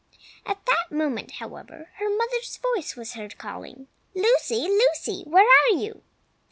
At that moment, however, her mother's voice was heard, calling "Lucy! Lucy! Where are you?"